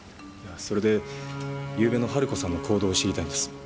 それでゆうべのハル子さんの行動を知りたいんです。